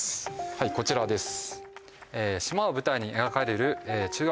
はいこちらです